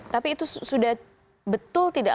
tapi itu sudah betul tidak